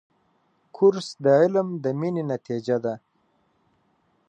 کورس د علم د مینې نتیجه ده.